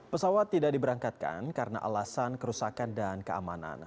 pesawat tidak diberangkatkan karena alasan kerusakan dan keamanan